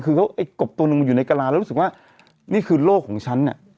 คือเขาไอ้กบตัวหนึ่งมันอยู่ในกระลาแล้วรู้สึกว่านี่คือโลกของฉัน